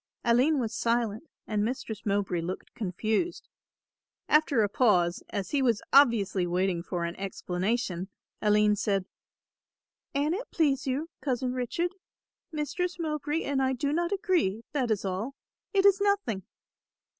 Aline was silent and Mistress Mowbray looked confused. After a pause, as he was obviously waiting for an explanation, Aline said, "An it please you, Cousin Richard, Mistress Mowbray and I do not agree, that is all, it is nothing."